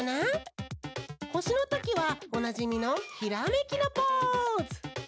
ほしのときはおなじみのひらめきのポーズ！